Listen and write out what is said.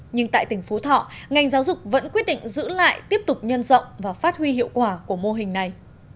nhưng tại tỉnh phú thọ ngành giáo dục vẫn quyết định giữ lại tiếp tục nhân rộng và phát huy hiệu quả của mô hình này